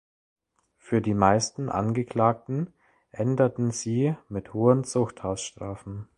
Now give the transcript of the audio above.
Für die meisten Angeklagten endeten sie mit hohen Zuchthausstrafen.